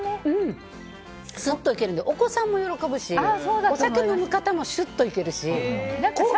すっといけるのでお子さんも喜ぶしお酒飲む方もしゅっといけるし。